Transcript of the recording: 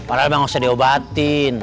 malah bang gak usah diobatin